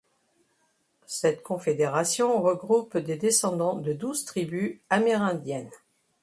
Cette confédération regroupe des descendants de douze tribus amérindiennes.